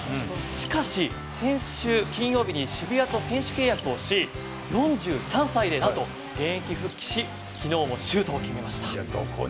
しかし先週金曜日に渋谷と選手契約をし４３歳だと現役復帰し昨日もシュートを決めました。